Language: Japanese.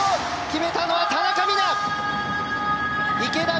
決めたのは田中美南！